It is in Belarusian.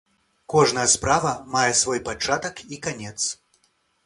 Кожная справа мае свой пачатак і канец.